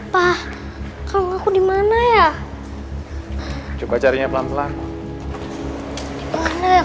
pak kamu aku dimana ya coba carinya pelan pelan kalau aku